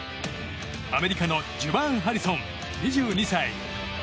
アメリカのジュバーン・ハリソン、２２歳。